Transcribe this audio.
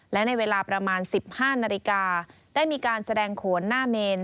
และในเวลาประมาณ๑๕นาฬิกาได้มีการแสดงโขนหน้าเมน